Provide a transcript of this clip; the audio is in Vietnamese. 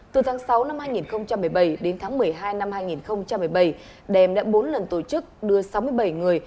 từ tháng sáu năm hai nghìn một mươi bảy đến tháng một mươi hai năm hai nghìn một mươi bảy đèm đã bốn lần tổ chức đưa sáu mươi bảy người